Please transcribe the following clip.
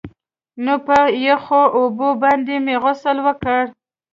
نو په يخو اوبو باندې مې غسل وکړ.